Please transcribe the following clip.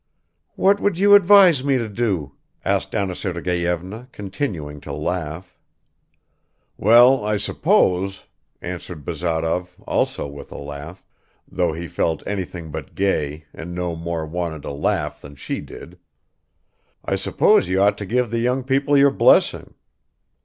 "What would you advise me to do?" asked Anna Sergeyevna, continuing to laugh. "Well, I suppose," answered Bazarov, also with a laugh, though he felt anything but gay and no more wanted to laugh than she did; "I suppose you ought to give the young people your blessing.